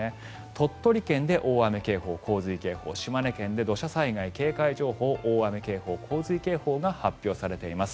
鳥取県で大雨警報、洪水警報島根県で土砂災害警戒情報大雨警報、洪水警報が発表されています。